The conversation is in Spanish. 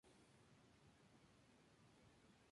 El hilo básico para las velas tradicionales era hilo de cáñamo.